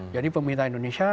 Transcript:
jadi pemerintah indonesia